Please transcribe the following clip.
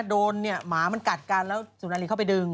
โดนเนี่ยหมามันกัดกันแล้วสุนารีเข้าไปดึง